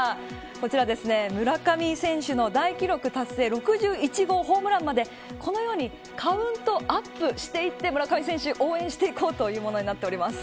こちら、村上選手の大記録達成６１号ホームランまでこのようにカウントアップしていって村上選手を応援していこうというものになっています。